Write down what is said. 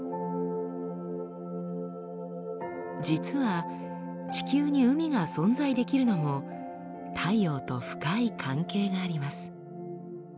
実は地球に海が存在できるのも太陽と深い関係があります。